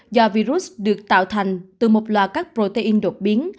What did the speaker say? do virus được tạo thành từ một loạt các protein đột biến